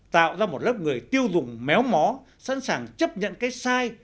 tạo ra một lớp người tiêu dùng méo mó sẵn sàng chấp nhận cái sai